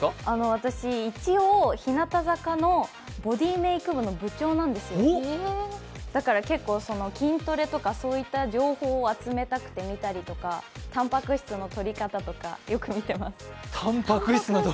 私、一応、日向坂のボディメイク部の部長なんですよだから結構筋トレとかそういった情報を集めたくて見たりとかたんぱく質の取り方とかよく見てます。